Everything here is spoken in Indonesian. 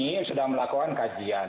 kami sudah melakukan kajian